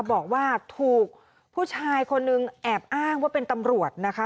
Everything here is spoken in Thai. บอกว่าถูกผู้ชายคนนึงแอบอ้างว่าเป็นตำรวจนะคะ